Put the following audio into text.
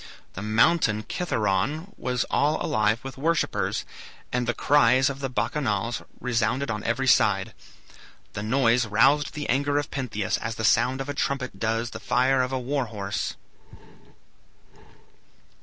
The mountain Citheron was all alive with worshippers, and the cries of the Bacchanals resounded on every side. The noise roused the anger of Pentheus as the sound of a trumpet does the fire of a war horse.